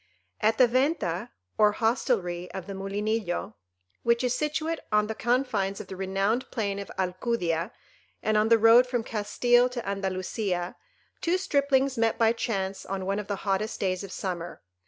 At the Venta or hostelry of the Mulinillo, which is situate on the confines of the renowned plain of Alcudia, and on the road from Castile to Andalusia, two striplings met by chance on one of the hottest days of summer.